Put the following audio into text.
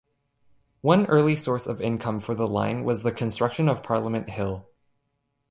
One early source of income for the line was the construction of Parliament Hill.